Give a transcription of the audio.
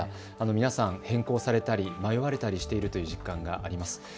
皆さん変更されたり迷われたりしているという実感があります。